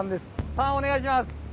「３」お願いします！